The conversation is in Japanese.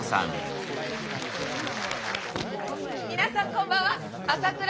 皆さんこんばんは浅倉